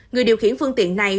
người điều khiển phương tiện này